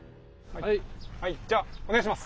はい。